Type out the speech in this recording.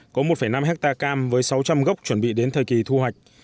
có một năm hectare cam với sáu trăm linh gốc chuẩn bị đến thời kỳ thu hoạch